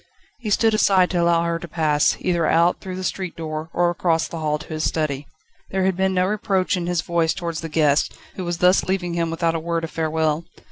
He stood aside to allow her to pass, either out, through the street door or across the hall to his study. There had been no reproach in his voice towards the guest, who was thus leaving him without a word of farewell.